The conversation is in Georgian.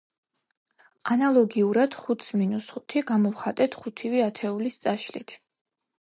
ანალოგიურად, ხუთს მინუს ხუთი გამოვხატეთ ხუთივე ათეულის წაშლით.